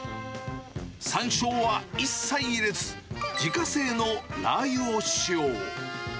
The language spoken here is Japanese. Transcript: さんしょうは一切入れず、自家製のラー油を使用。